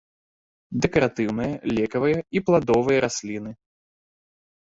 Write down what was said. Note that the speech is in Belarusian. Дэкаратыўныя, лекавыя і пладовыя расліны.